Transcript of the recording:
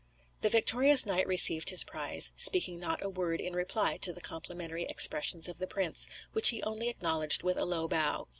The victorious knight received his prize, speaking not a word in reply to the complimentary expressions of the prince, which he only acknowledged with a low bow.